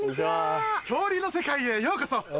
恐竜の世界へようこそ。